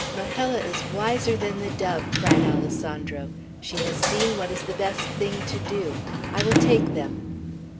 "Majella is wiser than the dove!" cried Alessandro. "She has seen what is the best thing to do. I will take them."